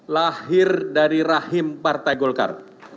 lahir dari rahim partai golkar